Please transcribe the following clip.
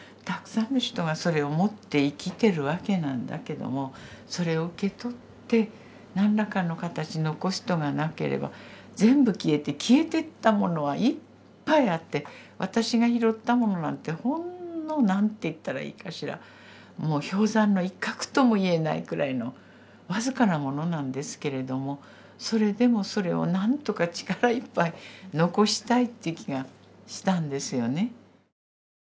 たくさんの人がそれを持って生きてるわけなんだけどもそれを受け取って何らかの形に残す人がなければ全部消えて消えてったものはいっぱいあって私が拾ったものなんてほんの何て言ったらいいかしらもう氷山の一角とも言えないくらいの僅かなものなんですけれどもそれでもそれを何とか力いっぱい残したいっていう気がしたんですよね。